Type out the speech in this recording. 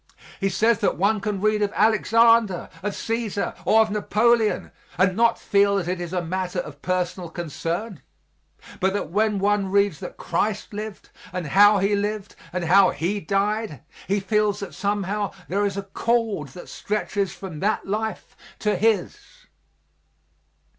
He says that one can read of Alexander, of Cæsar or of Napoleon, and not feel that it is a matter of personal concern; but that when one reads that Christ lived, and how He lived and how He died, he feels that somehow there is a cord that stretches from that life to his.